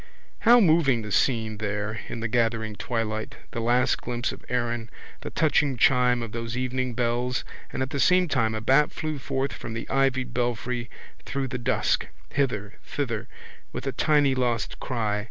How moving the scene there in the gathering twilight, the last glimpse of Erin, the touching chime of those evening bells and at the same time a bat flew forth from the ivied belfry through the dusk, hither, thither, with a tiny lost cry.